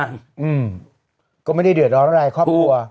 อืมก็ไม่ได้เดือดร้อนอะไรครอบครัว